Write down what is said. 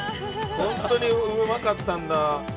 ホントにうまかったんだ。